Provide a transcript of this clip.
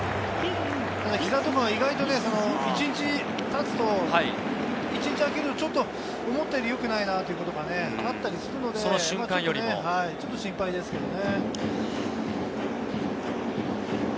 膝とかは意外と一日経つと、一日あけるとちょっと思ったようによくないなというのがあったりするので、心配ですけどね。